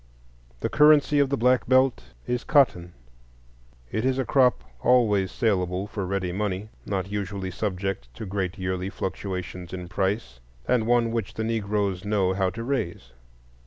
The currency of the Black Belt is cotton. It is a crop always salable for ready money, not usually subject to great yearly fluctuations in price, and one which the Negroes know how to raise.